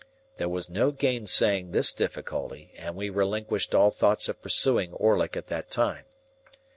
There was no gainsaying this difficulty, and we relinquished all thoughts of pursuing Orlick at that time.